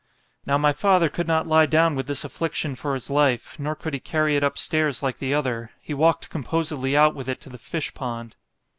Now, my father could not lie down with this affliction for his life——nor could he carry it up stairs like the other—he walked composedly out with it to the fish pond.